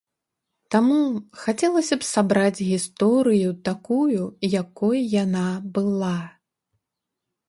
Таму хацелася б сабраць гісторыю такую, якой яна была.